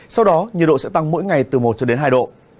sau đó nhiệt độ sẽ tăng mỗi ngày từ một hai độ